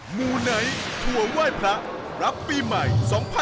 หมู่ไหนทัวร์ไหว้พระรับปีใหม่๒๕๖๒